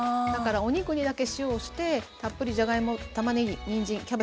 だからお肉にだけ塩をしてたっぷりじゃがいもたまねぎにんじん